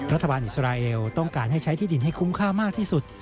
รัฐบาลอิสราเอลต้องการให้ใช้ที่ดินให้คุ้มค่ามากที่สุด